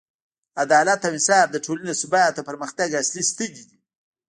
عدالت او انصاف د ټولنې د ثبات او پرمختګ اصلي ستنې دي.